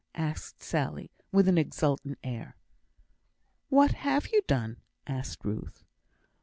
asked Sally, with an exultant air. "What have you done?" asked Ruth.